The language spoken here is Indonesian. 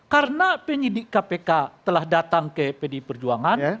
karena penyelidik kpk telah datang ke pdi perjuangan